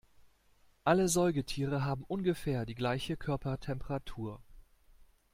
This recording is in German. Alle Säugetiere haben ungefähr die gleiche Körpertemperatur.